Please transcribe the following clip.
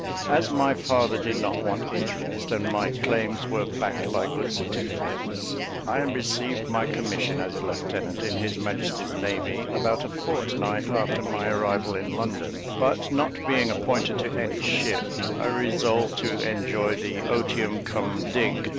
As my father did not want interest, and my claims were backed by good certificates, I received my commission as a lieutenant in his Majesty's navy about a fortnight after my arrival in London; but not being appointed to any ship, I resolved to enjoy the "otium cum dig.